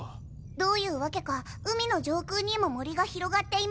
どういう訳か海の上空にも森が広がっています。